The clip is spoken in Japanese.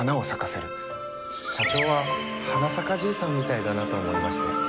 社長ははなさかじいさんみたいだなと思いまして。